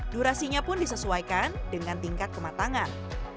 durasinya pun disesuaikan dengan tingkat kematangan